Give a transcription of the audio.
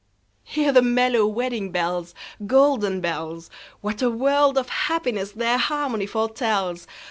Hear the mellow wedding bells, Golden bells! What a world of happiness their harmony foretells!